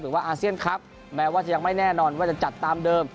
อาเซียนคลับแม้ว่าจะยังไม่แน่นอนว่าจะจัดตามเดิม